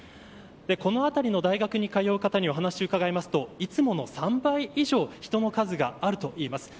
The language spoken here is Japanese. この辺りの大学に通う方にお話を伺うと、いつもの３倍以上人の数があるといいます。